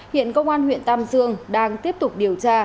hiện công an huyện tam dương đang tiếp tục điều tra